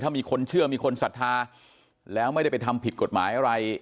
ถ้ามีคนเชื่อมีคนศรัทธาแล้วไม่ได้ไปทำผิดกฎหมายอะไร